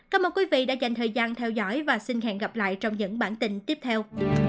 cảm ơn quý vị đã dành thời gian theo dõi và xin hẹn gặp lại trong những bản tin tiếp theo